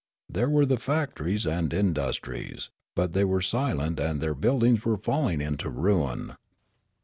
There were the factories and industries ; but they were silent and their buildings were falling into ruin.